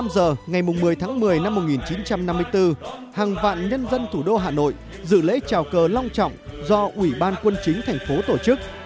một mươi giờ ngày một mươi tháng một mươi năm một nghìn chín trăm năm mươi bốn hàng vạn nhân dân thủ đô hà nội dự lễ trào cờ long trọng do ủy ban quân chính thành phố tổ chức